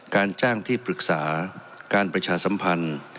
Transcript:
การจ้างที่ปรึกษาการประชาสัมพันธ์